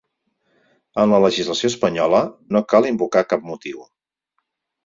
En la legislació espanyola no cal invocar cap motiu.